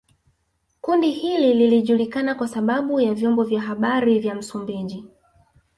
kundi hili lilijulikana kwa sababu ya vyombo vya habari vya Msumbiji